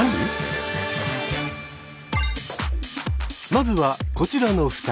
まずはこちらの２人。